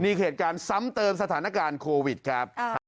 นี่เหตุการณ์ซ้ำเติมสถานการณ์โควิดครับ